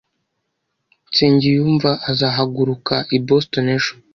Nsengiyumva azahaguruka i Boston ejo.